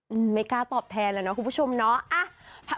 ไม่กล้าตอบแทนแล้วนะคุณผู้ชมเนาะ